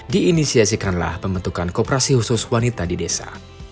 diinisiasikanlah pembentukan kooperasi khusus wanita di desa